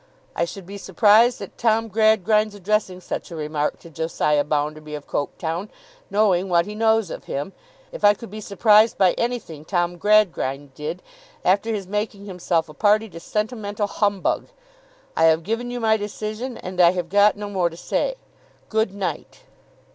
I should be surprised at Tom Gradgrind's addressing such a remark to Josiah Bounderby of Coketown, knowing what he knows of him, if I could be surprised by anything Tom Gradgrind did, after his making himself a party to sentimental humbug. I have given you my decision, and I have got no more to say. Good night!